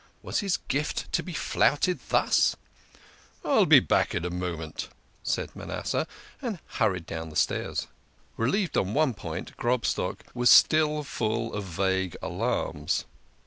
Was his gift to be flouted thus ?" I'll be back in a moment," said Manasseh, and hurried down the stairs. Relieved on one point, Grobstock was still full of vague alarms.